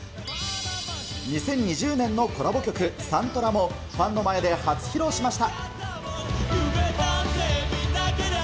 ２０２０年のコラボ曲、サントラも、ファンの前で初披露しました。